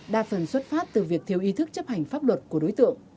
đa phần xuất phát từ việc thiếu ý thức chấp hành pháp luật của đối tượng